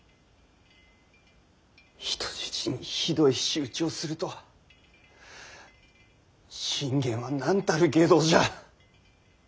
人質にひどい仕打ちをするとは信玄は何たる外道じゃ！